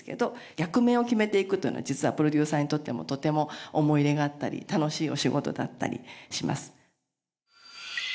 役名を決めていくというのは実はプロデューサーにとってもとても思い入れがあったり楽しいお仕事だったりします。